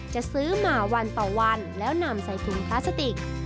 จะซื้อมาวันต่อวันแล้วนำใส่ถุงพลาสติก